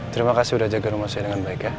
terima kasih sudah jaga rumah saya dengan baik ya